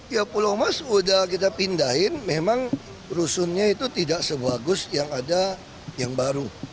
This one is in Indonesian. ya pulau mas udah kita pindahin memang rusunnya itu tidak sebagus yang ada yang baru